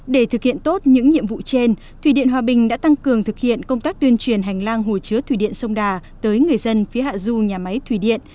để thực hiện tốt những nhiệm vụ trên thủy điện hòa bình đã tăng cường thực hiện công tác tuyên truyền hành lang hồ chứa thủy điện sông đà tới người dân phía hạ du nhà máy thủy điện